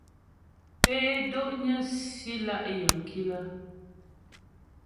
Pé dó'nyə́ si lá' yəŋ kilə́ ?